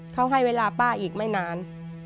เขาให้เวลาป้าอีกไม่นาน